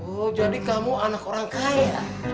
oh jadi kamu anak orang kaya